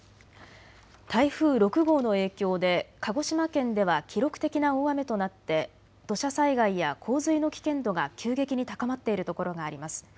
台風６号の影響で鹿児島県では記録的な大雨となって土砂災害や洪水の危険度が急激に高まっているところがあります。